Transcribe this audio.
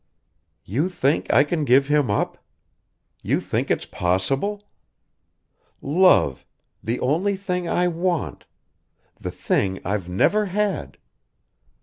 "You think I can give him up? You think it's possible? Love ... the only thing I want! The thing I've never had!